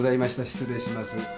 失礼します。